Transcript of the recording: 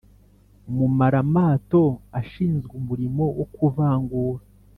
Mumara mato ashinzwe umurimo wo kuvangura